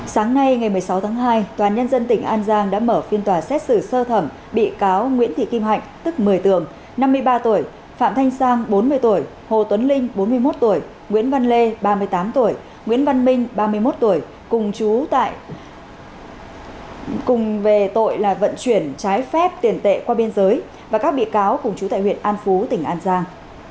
sáng nay ngày một mươi sáu tháng hai toàn nhân dân tỉnh an giang đã mở phiên tòa xét xử sơ thẩm bị cáo nguyễn thị kim hạnh tức một mươi tượng năm mươi ba tuổi phạm thanh sang bốn mươi tuổi hồ tuấn linh bốn mươi một tuổi nguyễn văn lê ba mươi tám tuổi nguyễn văn minh ba mươi một tuổi cùng về tội là vận chuyển trái phép tiền tệ qua biên giới và các bị cáo cùng chú tại huyện an phú tỉnh an giang